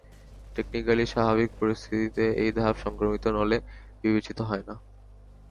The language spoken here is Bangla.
টেকনিক্যালি, স্বাভাবিক পরিস্থিতিতে, এই ধাপ সংক্রমিত নলে বিবেচিত হয় না।